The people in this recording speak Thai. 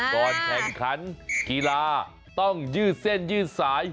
ก่อนแข่งขันกีฬาต้องยืดเส้นยืดสาย